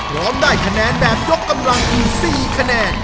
ร้องได้คะแนนแบบยกกำลังคือ๔คะแนน